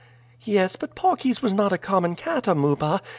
"Yes, but Paucis was not a common cat, Amuba.